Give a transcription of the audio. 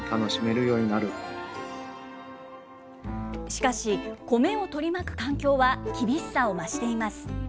しかし、コメを取り巻く環境は、厳しさを増しています。